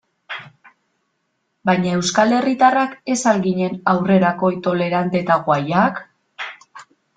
Baina euskal herritarrak ez al ginen aurrerakoi, tolerante eta guayak?